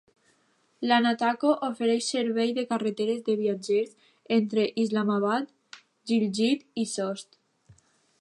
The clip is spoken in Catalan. La NATCO ofereix servei de carreteres de viatgers entre Islamabad, Gilgit i Sost.